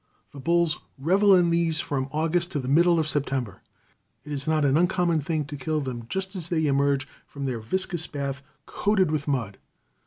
The bulls revel in these from August to the middle of September. It is not an uncommon thing to kill them just as they emerge from their viscous bath coated with mud.